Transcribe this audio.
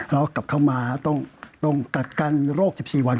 เรากลับเข้ามาต้องกักกันโรค๑๔วัน